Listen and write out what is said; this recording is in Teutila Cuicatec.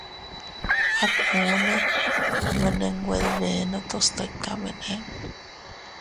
At unne mene nwe dbenotos tikamene.